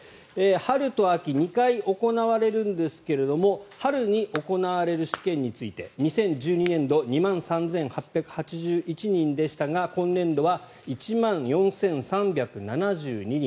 春と秋、２回行われるんですが春に行われる試験について２０１２年度２万３８８１人でしたが今年度は１万４３７２人。